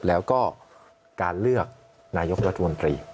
แล้วก็การเลือกนายกรัฐมนตรี